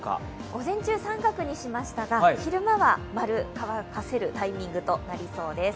午前中△にしましたが昼間は○、乾かせるタイミングありそうです。